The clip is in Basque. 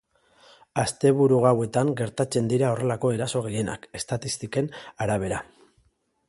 Asteburu gauetan gertatzen dira horrelako eraso gehienak, estatistiken arabera.